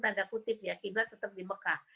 tanda kutip ya tiba tetap di mekah